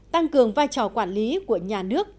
tăng cường vai trò quản lý của nhà nước